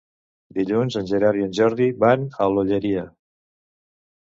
Dilluns en Gerard i en Jordi van a l'Olleria.